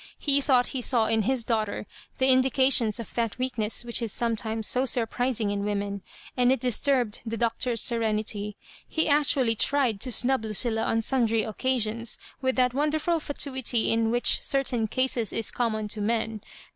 He thought he saw in his daughter the indications of that weakness which is sometimes so surprising in women, and it disturb ed the Doctor's serenity ; he actually tried to snnb Lucilla on sundry occasions, with that wonderful &tuity which in certain cases ia common to men.